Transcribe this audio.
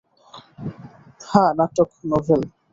হাঁ নাটক, নভেল!